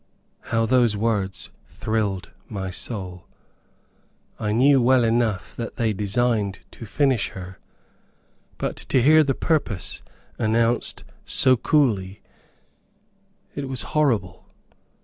How those words thrilled my soul! I knew well enough that they designed "to finish her," but to hear the purpose announced so coolly, it was horrible.